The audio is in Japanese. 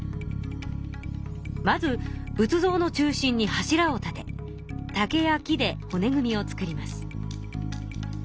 まず仏像の中心に柱を立て竹や木でほね組みを作ります。